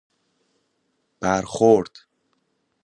برخورد